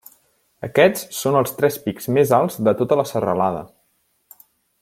Aquests són els tres pics més alts de tota la serralada.